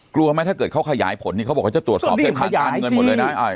กลัวไหมถ้าเกิดเขาขยายผลนี่เขาบอกเขาจะตรวจสอบเส้นทางการเงินหมดเลยนะ